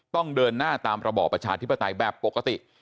ต้องเดินหน้าตามระบอบประชาธิปไตยแบบปกติ